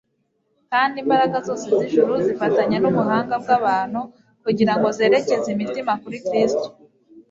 Kandi imbaraga zose z'ijuru zifatanya n'ubuhanga bw'abantu kugira ngo zerekeze imitima kuri Kristo.